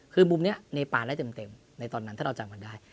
คือมุมนี้เนปานได้เต็มในตอนนั้นถ้าเราจำกันได้